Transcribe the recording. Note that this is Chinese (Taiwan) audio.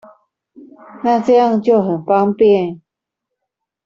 那這樣就很方便